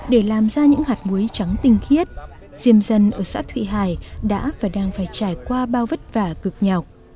để làm ra những hạt muối trắng tinh khiết diêm dân ở xã thụy hải đã và đang phải trải qua bao vất vả cực nhọc